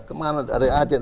kemana dari aceh